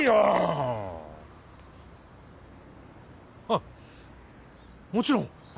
あっもちろん。